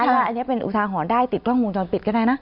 อันนี้เป็นอุทาหรณ์ได้ติดกล้องวงจรปิดก็ได้นะ